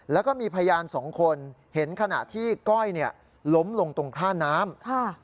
แล้วก็มีพยานสองคนเห็นขณะที่ก้อยล้มลงตรงท่าน้ำ